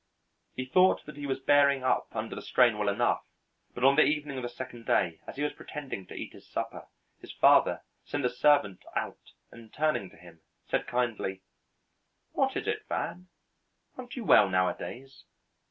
He thought that he was bearing up under the strain well enough, but on the evening of the second day, as he was pretending to eat his supper, his father sent the servant out and turning to him, said kindly: "What is it, Van? Aren't you well nowadays?"